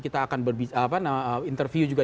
kita akan interview juga